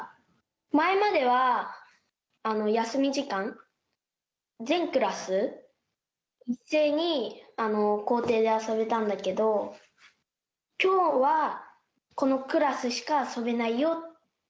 前までは、休み時間、全クラス一斉に、校庭で遊べたんだけど、きょうはこのクラスしか遊べないよって。